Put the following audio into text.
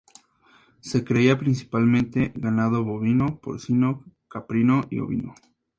Se cría principalmente ganado bovino, porcino, caprino y ovino.